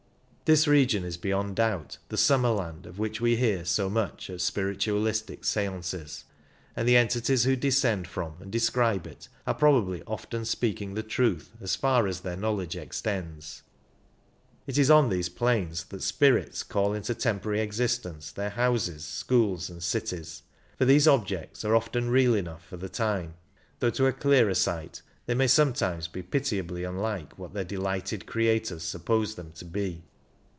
This region is beyond doubt the "summerland" of which we hear so much at spiritualistic skances^ and the entities who descend from and describe it are probably often speaking the truth as far as their knowledge extends. It is on these planes that " spirits " call into temporary existence their houses, schools, and cities, for these objects are often real enough for the time, though to a clearer sight they may sometimes be pitiably unlike what their delighted creators supfjose them to be.